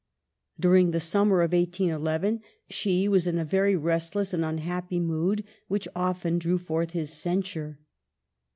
During the summer of 1811 she was in a very restless and unhappy mood, which often drew forth his censure.